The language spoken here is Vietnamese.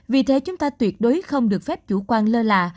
vì thế chúng ta tuyệt đối không được phép chủ quan lơ là